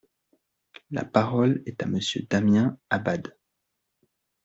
La parole est à Monsieur Damien Abad.